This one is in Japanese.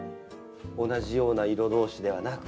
同じような色同士ではなくて。